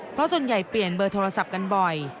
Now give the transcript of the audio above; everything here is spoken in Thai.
เพราะส่วนใหญ่เปลี่ยนเบอร์โทรศัพท์กันบ่อย